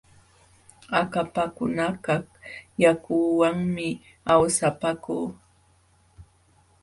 Akapakunakaq yakuwanmi awsapaaku.